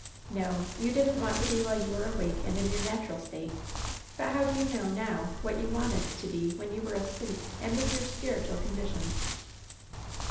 "No, you didn't want to be while you were awake and in your natural state ; but how do you know, now, what you wanted to be when you were asleep and in your spiritual condition